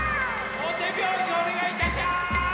おてびょうしおねがいいたしやす！